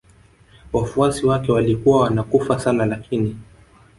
Wafuasi wake walikuwa wanakufa sana lakini